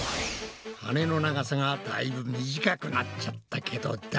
羽の長さがだいぶ短くなっちゃったけど大丈夫か？